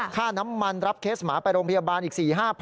ค่าน้ำมันรับเคสหมาไปโรงพยาบาลอีก๔๕๐๐๐